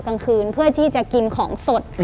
กลางคืนเพื่อที่จะกินของสด